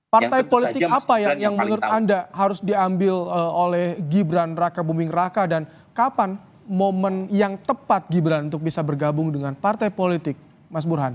partai politik apa yang menurut anda harus diambil oleh gibran raka buming raka dan kapan momen yang tepat gibran untuk bisa bergabung dengan partai politik mas burhan